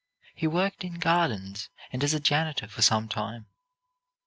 He worked in gardens and as a janitor for some time.